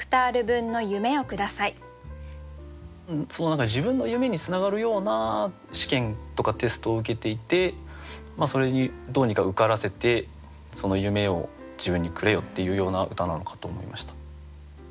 何か自分の夢につながるような試験とかテストを受けていてそれにどうにか受からせてその夢を自分にくれよっていうような歌なのかと思いました。